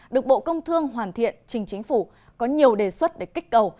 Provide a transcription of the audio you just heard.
được bộ công thương hoàn thiện trình chính phủ có nhiều đề xuất để kích cầu